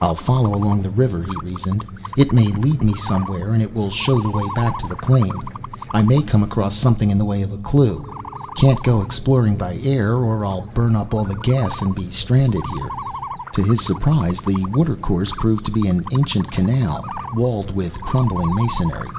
"I'll follow along the river," he reasoned. "It may lead me somewhere and it will show the way back to the plane. I may come across something in the way of a clue. Can't go exploring by air, or I'll burn up all the gas and be stranded here!" To his surprise, the water course proved to be an ancient canal, walled with crumbling masonry.